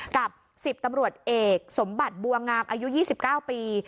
กับ๑๐ตำรวจเอกสมบัติบัวงามอายุ๒๙ปี